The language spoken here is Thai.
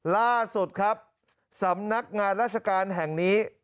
ล่าสุดครับสำนักงานราชการแห่งนี้